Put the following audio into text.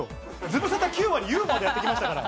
ズムサタ９割ユーモアでやってきましたから。